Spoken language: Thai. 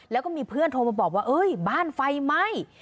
แล้วก็มีเพื่อนโทรมาบอกว่าเอ้ยบ้านไฟไหม้